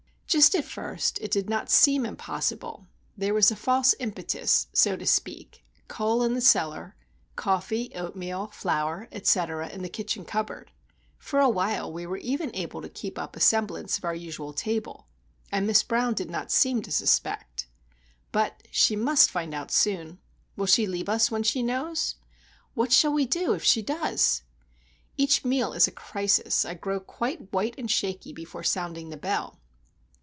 Just at first it did not seem impossible. There was a false impetus, so to speak; coal in the cellar, coffee, oatmeal, flour, etc., in the kitchen cupboard. For a while we were even able to keep up a semblance of our usual table, and Miss Brown did not seem to suspect. But she must find out soon. Will she leave us when she knows? What shall we do, if she does? Each meal is a crisis. I grow quite white and shaky before sounding the bell.